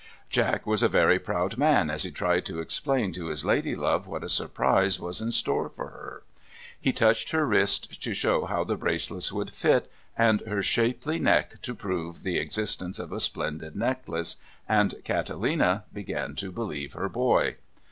Jack was a very proud man as he tried to explain to his lady love what a surprise was in store for her: he touched her wrists to show how the bracelets would fit, and her shapely neck to prove the existence of a splendid necklace, and Catalina began to believe her boy.